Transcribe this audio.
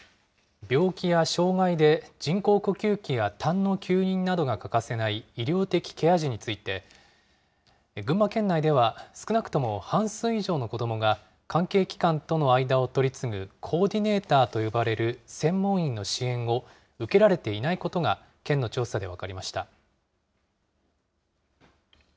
病気や障害で人工呼吸器やたんの吸引などが欠かせない医療的ケア児について、群馬県内では、少なくとも半数以上の子どもが、関係機関との間を取り次ぐコーディネーターと呼ばれる専門員の支援を受けられていないことが、県の調査で分かりました。